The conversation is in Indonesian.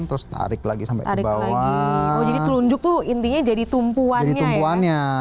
kan terus tarik lagi sampai kebawah jadi telunjuk tuh intinya jadi tumpuannya ya jadi tumpuannya